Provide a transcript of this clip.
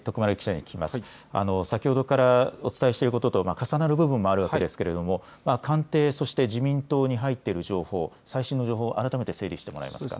先ほどからお伝えしていることと重なる部分もありますけれども官邸、そして自民党に入っている情報、最新の情報、改めて整理してもらえますか。